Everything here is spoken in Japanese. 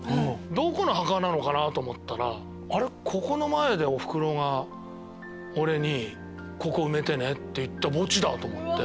どこの墓なのかな？と思ったらここの前でおふくろが俺に「ここ埋めてね」って言った墓地だ！と思って。